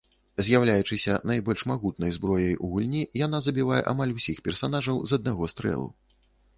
З'яўляючыся найбольш магутнай зброяй у гульні, яна забівае амаль усіх персанажаў з аднаго стрэлу.